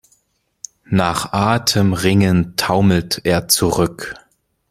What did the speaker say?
Nach Atem ringend taumelt er zurück.